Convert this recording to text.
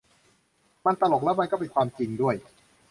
มันตลกและมันก็เป็นความจริงด้วย